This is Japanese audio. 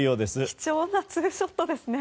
貴重なツーショットですね。